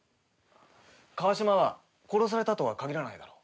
川島は殺されたとは限らないだろう。